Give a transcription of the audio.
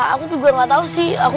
aku juga gak tau sih